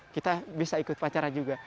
kita bisa ikut upacara juga